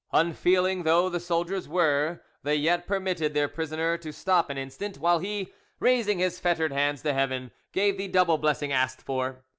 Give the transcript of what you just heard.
Unfeeling though the soldiers were, they yet permitted their prisoner to stop an instant, while he, raising his fettered hands to heaven, gave the double blessing asked for.